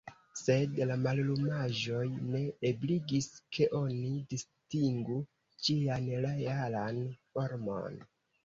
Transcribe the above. Sed la mallumaĵoj ne ebligis, ke oni distingu ĝian realan formon.